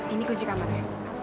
ini kunci kamarnya